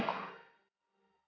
aku akan mencintai tuhan